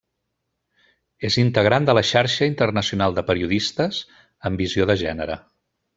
És integrant de la Xarxa Internacional de Periodistes amb Visió de Gènere.